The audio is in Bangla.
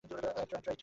Right, - right.